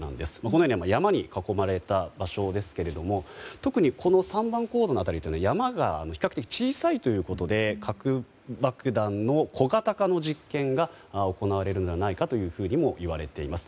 このように山に囲まれた場所ですけれども特にこの３番坑道の辺りは山が比較的小さいということで核爆弾の小型化の実験が行われるのではないかともいわれています。